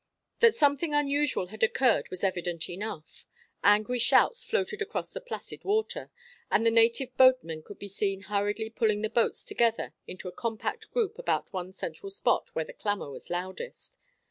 That something unusual had occurred was evident enough. Angry shouts floated across the placid water; and the native boatmen could be seen hurriedly pulling the boats together into a compact group about one central spot where the clamour was loudest.